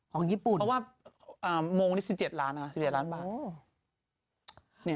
ของญี่ปุ่นเพราะว่ามงนี้๑๗ล้านบาท